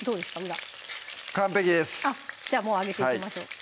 裏完璧ですじゃあもうあげていきましょう